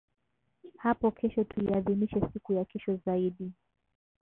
hapo kesho tuiadhimishe siku ya kesho zaidi